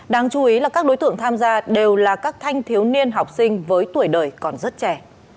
đáng chú ý là các đối tượng tham gia đều là các thanh thiếu niên học sinh với tuổi đời còn rất trẻ